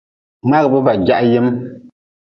Mngaagʼbe ba jah yem.